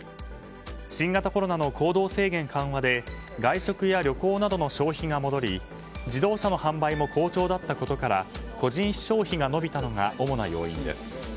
新型コロナの行動制限緩和で外食や旅行などの消費が戻り自動車の販売も好調だったことから個人消費が伸びたのが主な要因です。